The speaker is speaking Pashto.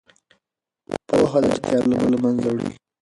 پوهه د جهالت تیاره له منځه وړي.